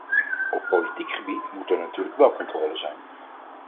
Op politiek gebied moet er natuurlijk wel controle zijn.